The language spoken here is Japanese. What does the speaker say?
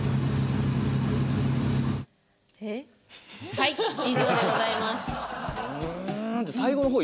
はい以上でございます。